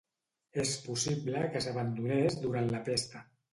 És possible que s'abandonés durant la pesta.